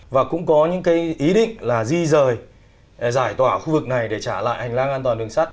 và cũng có những cái ý định là di rời giải tỏa khu vực này để trả lại hành lang an toàn đường sắt